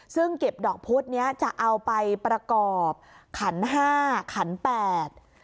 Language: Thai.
ซึ่งเก็บดอกพุธเนี้ยจะเอาไปประกอบขันห้าขันแปด